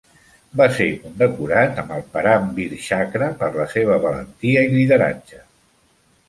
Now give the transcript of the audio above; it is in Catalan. Va ser condecorat amb el Param Vir Chakra per la seva valentia i lideratge.